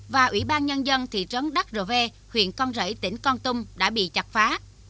và ủy ban nhân dân thị trấn đắk rồ vê huyện con rẫy tỉnh con tum đã bị chặt phá